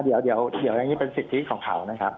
เดี๋ยวอย่างนี้เป็นสิทธิของเขานะครับ